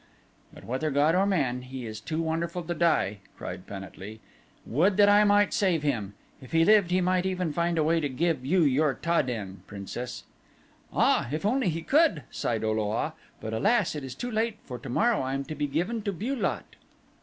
"But whether god or man he is too wonderful to die," cried Pan at lee. "Would that I might save him. If he lived he might even find a way to give you your Ta den, Princess." "Ah, if he only could," sighed O lo a, "but alas it is too late for tomorrow I am to be given to Bu lot."